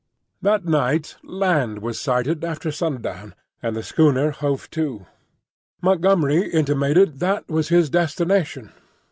That night land was sighted after sundown, and the schooner hove to. Montgomery intimated that was his destination.